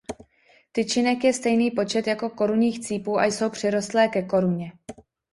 Tyčinek je stejný počet jako korunních cípů a jsou přirostlé ke koruně.